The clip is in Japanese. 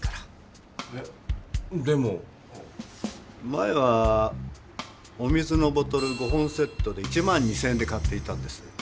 前はお水のボトル５本セットで１２０００円で買っていたんです。